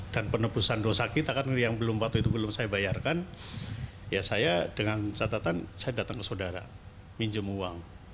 dan penebusan dosa kita kan yang waktu itu belum saya bayarkan ya saya dengan catatan saya datang ke saudara minjem uang